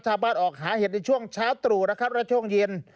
ชาวบ้านออกหาเห็ดในช่วงเช้าตรู่นะครับและช่วงเย็น